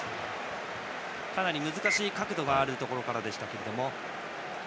かなり難しい角度があるところからでしたが。